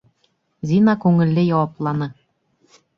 Зина күңелле яуапланы: